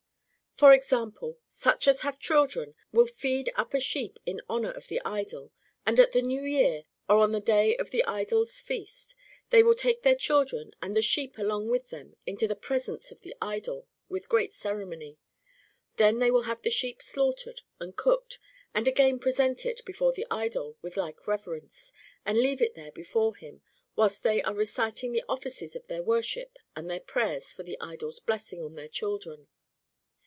For example, such as have children will feed up a sheep 204 MARCO POLO Book I. in honour of the idol, and at the New Year, or on the day of the Idol's Feast, they will take their children and the sheep along with them into the presence of the idol with great ceremony. Then they will have the sheep slaughtered and cooked, and again present it before the idol with like reverence, and leave it there before him, whilst they are reciting the offices of their worship and their prayers for the idol's blessing on their children.